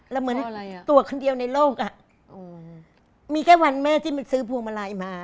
แล้วเหมือนตัวคนเดียวในโลกอ่ะมีแค่วันแม่ที่มันซื้อพวงมาลัยมา